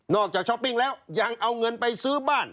ช้อปปิ้งแล้วยังเอาเงินไปซื้อบ้าน